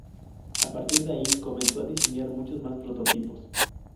A partir de ahí, comenzó a diseñar muchos más prototipos